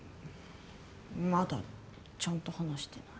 まだちゃんと話してない。